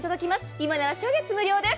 今なら初月無料です。